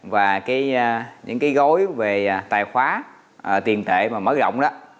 và những cái gói về tài khoá tiền tệ và mở rộng đó